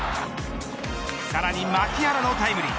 さらに牧原のタイムリー。